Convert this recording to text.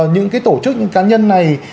những cái tổ chức cá nhân này